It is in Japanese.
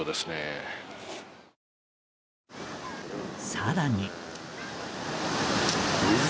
更に。